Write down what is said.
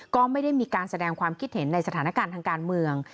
ก็ไม่ได้มีการแสดงความคิดเห็นในสถานการณ์ทางการเมือง